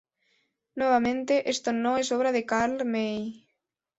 Nuevamente, esto no es obra de Karl May.